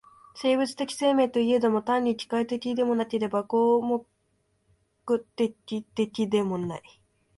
生物的生命といえども、単に機械的でもなければ合目的的でもない。